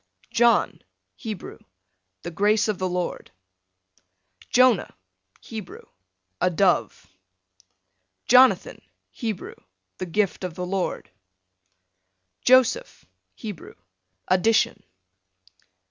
John, Hebrew, the grace of the Lord. Jonah, Hebrew, a dove. Jonathan. Hebrew, the gift of the Lord. Joseph, Hebrew, addition.